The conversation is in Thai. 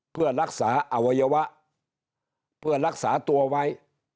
เพื่อรักษาอวัยวะเพื่อรักษาตัวไว้